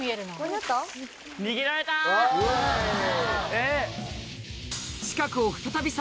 えっ？